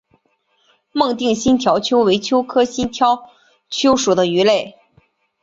孟定新条鳅为鳅科新条鳅属的鱼类。